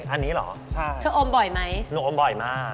อันนี้เหรอใช่เธออมบ่อยไหมโอมบ่อยมาก